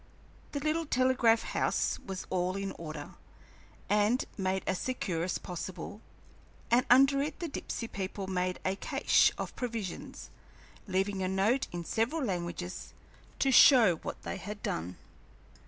The little telegraph house was all in order, and made as secure as possible, and under it the Dipsey people made a "cache" of provisions, leaving a note in several languages to show what they had done.